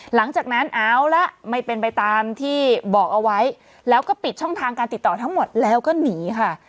หลังจากนั้นเอาละไม่เป็นไปตามที่บอกเอาไว้แล้วก็ปิดช่องทางการติดต่อทั้งหมดแล้วก็หนีค่ะ